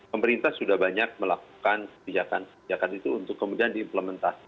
pemerintah sudah banyak melakukan sebijakan sebijakan itu untuk kemudian diimplementasikan